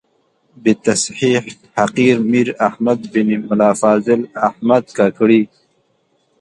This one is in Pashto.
بتصحیح حقیر میر احمد بن ملا فضل احمد کاکړي.